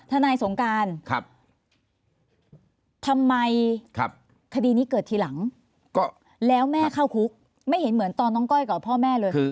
ทนายสงการทำไมคดีนี้เกิดทีหลังแล้วแม่เข้าคุกไม่เห็นเหมือนตอนน้องก้อยกับพ่อแม่เลย